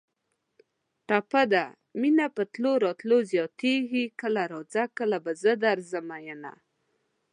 ټپه ده: مینه په تلو راتلو زیاتېږي کله راځه کله به زه درځم مینه